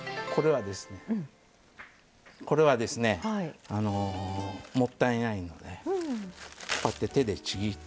これはですねもったいないのでこうやって手でちぎって。